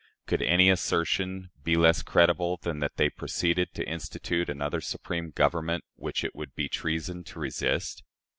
Could any assertion be less credible than that they proceeded to institute another supreme government which it would be treason to resist?